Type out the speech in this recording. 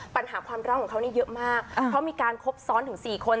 ปัญหาความรักของเขาเนี่ยเยอะมากเพราะมีการครบซ้อนถึง๔คน